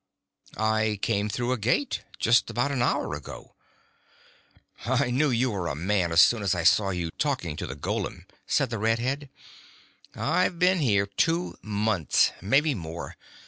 "I came through a gate. Just about an hour ago." "I knew you were a man as soon as I saw you talking to the golem," said the red head. "I've been here two months; maybe more.